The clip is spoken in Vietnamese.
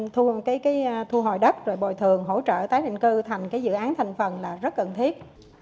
thu hồi đất bồi thường hỗ trợ tái định cư thành dự án thành phần là rất cần thiết